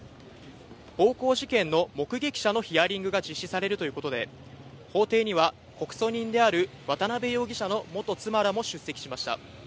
暴行事件の目撃者のヒアリングが実施されるということで、法廷には告訴人である渡辺容疑者の元妻らも出席しました。